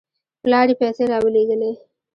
پلار یې پیسې راولېږلې.